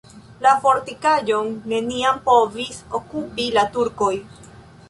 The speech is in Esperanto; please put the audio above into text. La fortikaĵon neniam povis okupi la turkoj.